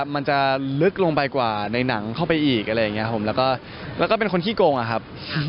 มันจะลึกลงไปกว่าในหนังเข้าไปอีกอะไรอย่างนี้ครับผมแล้วก็เป็นคนขี้โกงอะครับ